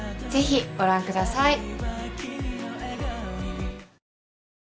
ぜひご覧ください。